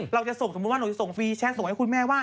เราจะส่งสมมุติว่าหนูจะส่งฟรีแชทส่งให้คุณแม่ว่า